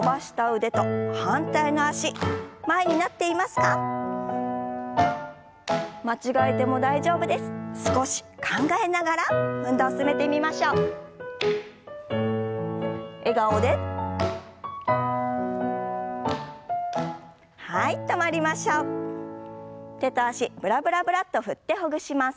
手と脚ブラブラブラッと振ってほぐします。